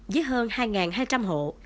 với hơn hai hai trăm linh hộ